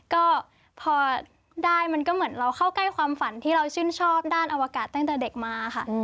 ก็พอได้มันก็เหมือนเราเข้าใกล้ความฝันที่เราชื่นชอบด้านอวกาศตั้งแต่เด็กมาค่ะ